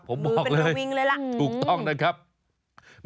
ผมบอกเลยถูกต้องนะครับมือเป็นดาววิงเลยล่ะ